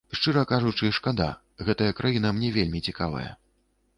Шчыра кажучы, шкада, гэтая краіна мне вельмі цікавая.